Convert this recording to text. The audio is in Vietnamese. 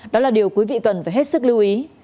đó là điều quý vị cần phải hết sức lưu ý